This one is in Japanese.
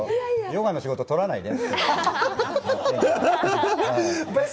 ヨガの仕事取らないで。